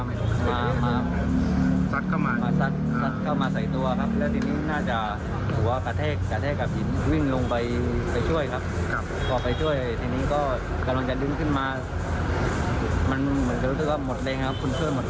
มันเหมือนจะรู้สึกว่าหมดเล็งครับคุณเพื่อนหมดเล็งครับ